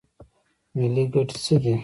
ملي ګټې څه دي؟